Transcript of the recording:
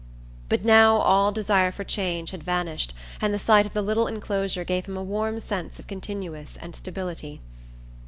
But now all desire for change had vanished, and the sight of the little enclosure gave him a warm sense of continuance and stability.